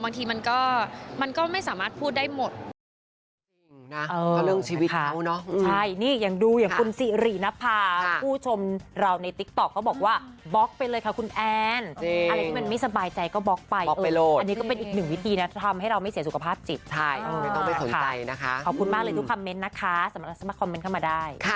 บางทีมันก็ไม่สามารถพูดได้หมด